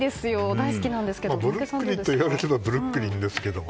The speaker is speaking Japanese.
大好きなんですけどまあブルックリンといえばブルックリンですけども。